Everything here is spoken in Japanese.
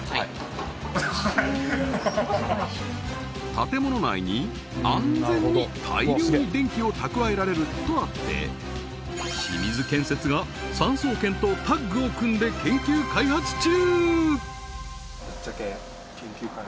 建物内に安全に大量に電気を蓄えられるとあって清水建設が産総研とタッグを組んで研究開発中！